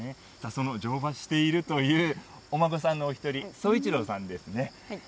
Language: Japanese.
その乗馬しているというお孫さんのお一人、奏一朗さんですね。